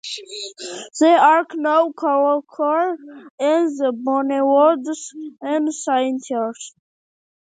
They are known colloquially as bonewoods or satinhearts.